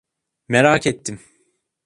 Merak ettim.